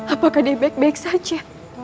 apakah dia baik baik saja